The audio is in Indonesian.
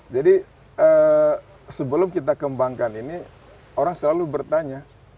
jadi sebelum kita kembangkan ini orang selalu bertanya